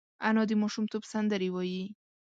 انا د ماشومتوب سندرې وايي